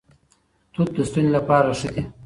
توت د ستوني لپاره ښه دي.